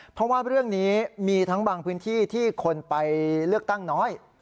เพราะว่าเรื่องนี้มีทั้งบางพื้นที่ที่คนไปเลือกตั้งน้อย